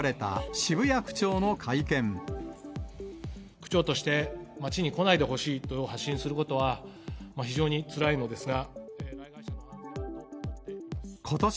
区長として、街に来ないでほしいと発信することは非常につらいのですが。